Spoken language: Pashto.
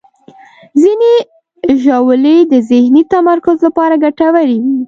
ځینې ژاولې د ذهني تمرکز لپاره ګټورې وي.